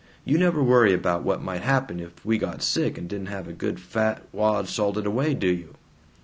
You never worry about what might happen if we got sick and didn't have a good fat wad salted away, do you!"